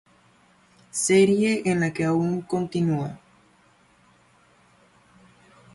Serie en la que aún continua.